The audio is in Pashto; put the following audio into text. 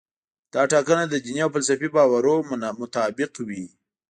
دا ټاکنه د دیني او فلسفي باورونو مطابق وي.